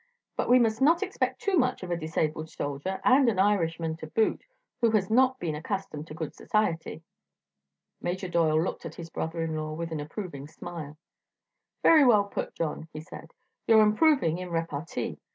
"But we must not expect too much of a disabled soldier and an Irishman to boot who has not been accustomed to good society." Major Doyle looked at his brother in law with an approving smile. "Very well put, John," he said. "You're improving in repartee.